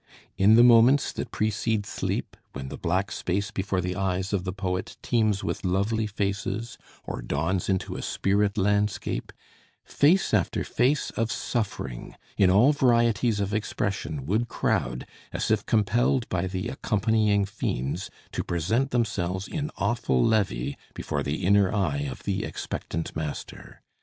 In the moments that precede sleep, when the black space before the eyes of the poet teems with lovely faces, or dawns into a spirit landscape, face after face of suffering, in all varieties of expression, would crowd, as if compelled by the accompanying fiends, to present themselves, in awful levee, before the inner eye of the expectant master.